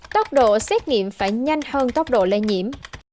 tốc độ xét nghiệm phải nhanh hơn tốc độ lây nhiễm